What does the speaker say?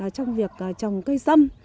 trong việc trồng cây sâm